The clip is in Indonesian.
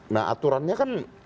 nah aturannya kan